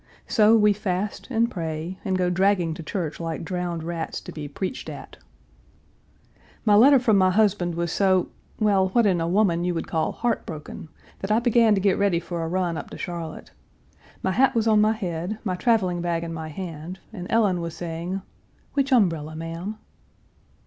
So we fast and pray, and go dragging to church like drowned rats to be preached at. Page 358 My letter from my husband was so well, what in a woman you would call heart broken, that I began to get ready for a run up to Charlotte. My hat was on my head, my traveling bag in my hand, and Ellen was saying "Which umbrella, ma'am?"